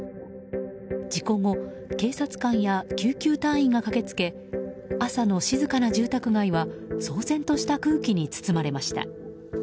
事故後警察官や救急隊員が駆けつけ朝の静かな住宅街は騒然とした空気に包まれました。